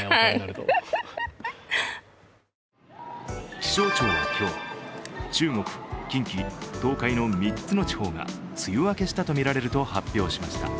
気象庁は今日、中国・近畿・東海の３つの地方が梅雨明けしたとみられると発表しました。